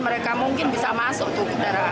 mereka mungkin bisa masuk ke darat